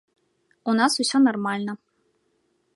У нас усё нармальна.